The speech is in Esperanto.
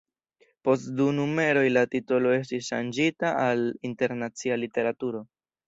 Post du numeroj la titolo estis ŝanĝita al Internacia Literaturo.